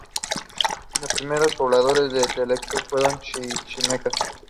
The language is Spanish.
Los primeros pobladores de Tultepec fueron los Chichimecas.